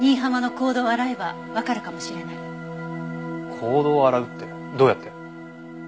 行動を洗うってどうやって？